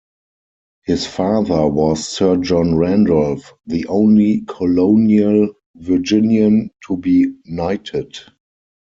His father was Sir John Randolph, the only colonial Virginian to be knighted.